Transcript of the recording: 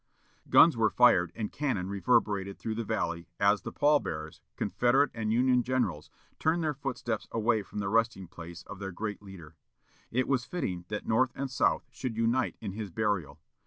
Guns were fired, and cannon reverberated through the valley, as the pall bearers, Confederate and Union generals, turned their footsteps away from the resting place of their great leader. It was fitting that North and South should unite in his burial.